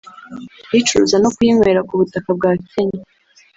kuyicuruza no kuyinywera ku butaka bwa Kenya